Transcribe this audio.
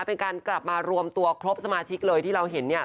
เป็นการกลับมารวมตัวครบสมาชิกเลยที่เราเห็นเนี่ย